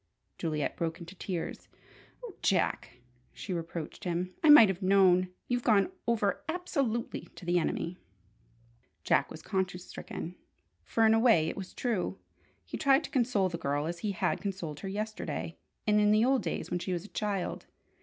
Juliet broke into tears. "Oh, Jack," she reproached him. "I might have known! You've gone over absolutely to the enemy!" Jack was conscience stricken, for in a way it was true. He tried to console the girl as he had consoled her yesterday, and in the old days when she was a child.